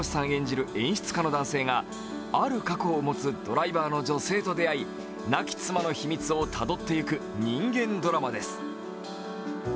演じる演出家の男性がある過去を持つドライバーの女性と出会い、亡き妻の秘密をたどっていく人間ドラマです。